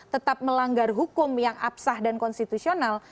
tetap melanggar hukum yang apsah dan konstitusional